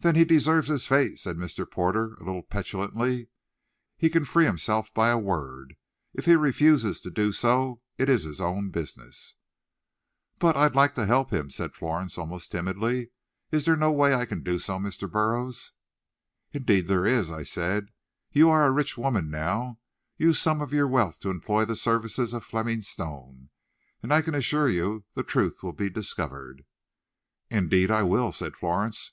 "Then he deserves his fate," said Mr. Porter, a little petulantly. "He can free himself by a word. If he refuses to do so it's his own business." "But I'd like to help him," said Florence, almost timidly. "Is there no way I can do so, Mr. Burroughs?" "Indeed there is," I said. "You are a rich woman now; use some of your wealth to employ the services of Fleming Stone, and I can assure you the truth will be discovered." "Indeed I will," said Florence.